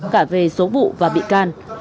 cả về số vụ và bị can